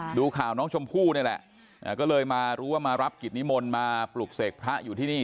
ดูข่าวน้องชมพู่นี่แหละก็เลยมารู้ว่ามารับกิจนิมนต์มาปลุกเสกพระอยู่ที่นี่